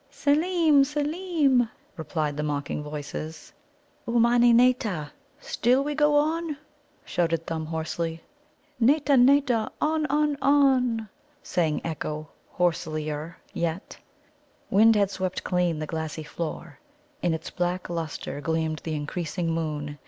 "Seelem, Seelem!" replied the mocking voices. "Ummani nâta? Still we go on?" shouted Thumb hoarsely. "Nâta, nâta! On, on, on!" sang echo hoarselier yet. Wind had swept clean the glassy floor. In its black lustre gleamed the increasing moon.